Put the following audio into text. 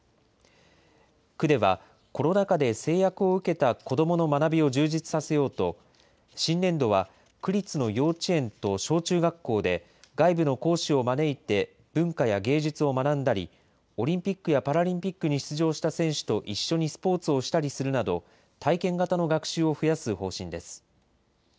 区では、コロナ禍で制約を受けた子どもの学びを充実させようと、新年度は区立の幼稚園と小中学校で、外部の講師を招いて、文化や芸術を学んだり、オリンピックやパラリンピックに出場した選手と一緒にスポーツをしたりするなど、体験型の学習を増やす方針です。